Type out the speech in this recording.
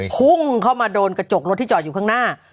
พุ่งเข้ามาโดนกระจกรถที่จอดอยู่ข้างหน้า